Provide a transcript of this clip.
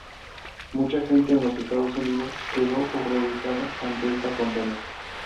Mucha gente en los estados Unidos quedó horrorizada ante esta condena.